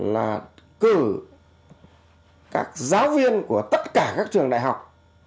là cử các giáo viên của tất cả các trường đại học